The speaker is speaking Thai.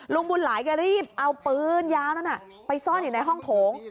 ลุงบุญหลายแกรีบเอาปืนยาวนั้นไปซ่อนอยู่ในห้องโถง